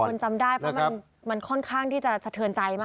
หลายคนจำได้เพราะมันค่อนข้างที่จะเฉินใจมาก